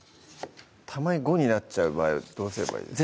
たまに５になっちゃう場合はどうすればいいですか？